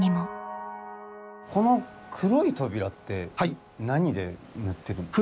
この黒い扉って何で塗ってるんですか？